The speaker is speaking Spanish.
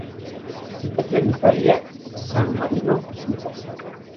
Se encuentra en Italia, San Marino y Suiza.